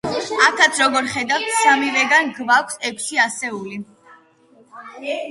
აქაც, როგორც ხედავთ, სამივეგან გვაქვს ექვსი ასეული.